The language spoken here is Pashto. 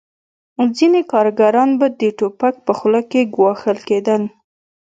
ځینې کارګران به د ټوپک په خوله ګواښل کېدل